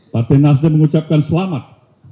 partai nasdem mengucapkan selamat